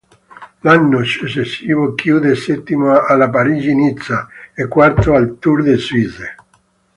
L'anno successivo chiude settimo alla Parigi-Nizza e quarto al Tour de Suisse.